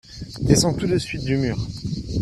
descend tout de suite du mur.